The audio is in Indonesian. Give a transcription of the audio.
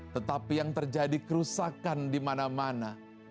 tetapi yang terjadi kerusakan di mana mana